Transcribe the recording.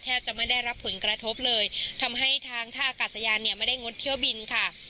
จะไม่ได้รับผลกระทบเลยทำให้ทางท่าอากาศยานเนี่ยไม่ได้งดเที่ยวบินค่ะ